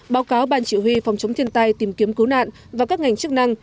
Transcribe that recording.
báo cáo ban chỉ huy phòng chống thiên tai tìm kiếm cứu nạn và các ngành chức năng